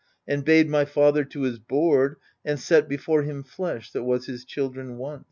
And bade my father to his board, and set Before him flesh that was his children once.